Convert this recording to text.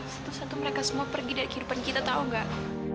satu satu mereka semua pergi dari kehidupan kita tahu nggak